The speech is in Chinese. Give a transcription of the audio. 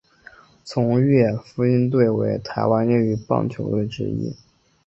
崇越隼鹰队为台湾业余棒球队伍之一。